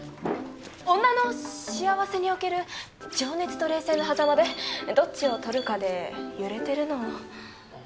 女の幸せにおける情熱と冷静のはざまでどっちを取るかで揺れてるの。